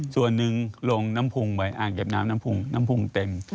ส่วนหนึ่งลงน้ำพุงไว้อ่างเก็บน้ำน้ำพุงเต็ม